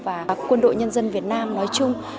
và quân đội nhân dân việt nam nói chung